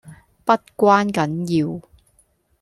不關緊要